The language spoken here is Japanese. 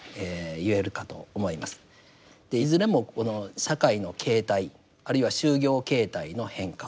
いずれもこの社会の形態あるいは就業形態の変化